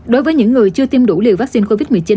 đối với những người chưa tiêm đủ liều vaccine covid một mươi chín